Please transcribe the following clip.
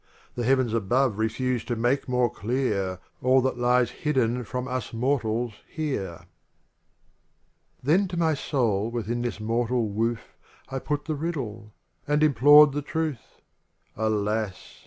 The heavens above refuse to make more clear All that lies hidden from us mortals here. Then to my soul within this mortal woof I put the riddle; and implored the truth. Alas!